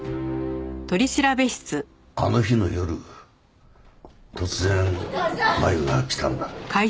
あの日の夜突然麻友が来たんだ。